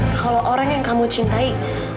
kalau orang yang kamu cintai